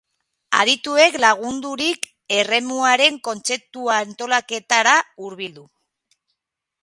Adituek lagundurik, eremuaren kontzeptu-antolaketara hurbildu.